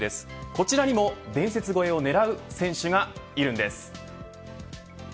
こちらにも伝説超えを狙う選手がいるんです。